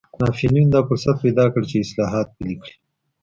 ناپلیون دا فرصت پیدا کړ چې اصلاحات پلي کړي.